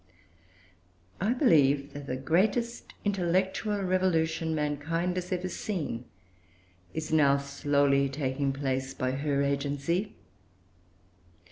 I believe that the greatest intellectual revolution mankind has yet seen is now slowly taking place by her agency.